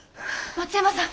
松山さん